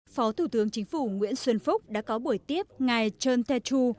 phó thủ tướng chính phủ nguyễn xuân phúc đã có buổi tiếp ngài trần tê chu